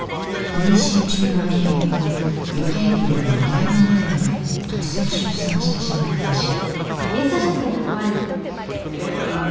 妊娠中の愛犬が予定日よりもだいぶ前に突然出産してしまったらしい。